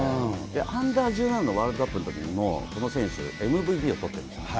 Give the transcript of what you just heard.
アンダー１７のワールドカップのときにも、この選手、ＭＶＰを取ってるんですよ。